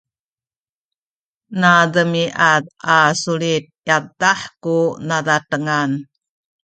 nademiad a sulit yadah ku nazatengan